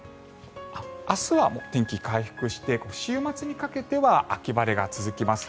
明日は天気回復して週末にかけては秋晴れが続きます。